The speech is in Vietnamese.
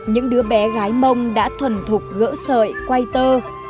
những đứa bé gái mông đã thuần thục gỡ sợi quay tơ